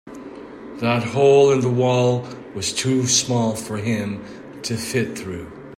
That hole in the wall was too small for him to fit through.